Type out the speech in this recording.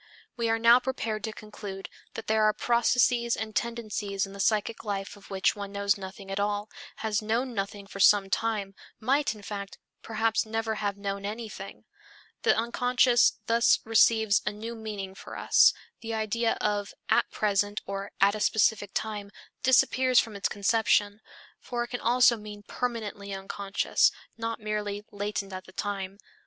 We are now prepared to conclude that there are processes and tendencies in the psychic life of which one knows nothing at all, has known nothing for some time, might, in fact, perhaps never have known anything. The unconscious thus receives a new meaning for us; the idea of "at present" or "at a specific time" disappears from its conception, for it can also mean permanently unconscious, not merely latent at the time.